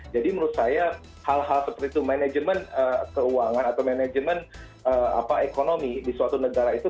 jadi menurut saya hal hal seperti itu manajemen keuangan atau manajemen ekonomi di suatu negara itu